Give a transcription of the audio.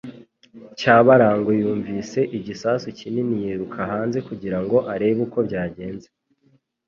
Cyabarangwe yumvise igisasu kinini yiruka hanze kugira ngo arebe uko byagenze.